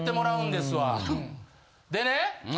でね